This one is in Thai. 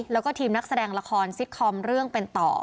แล้วก็ทีมนักแสดงละครซิตคอมเรื่องเป็นต่อ